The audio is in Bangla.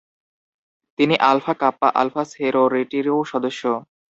তিনি আলফা কাপ্পা আলফা সোরোরিটিরও সদস্য।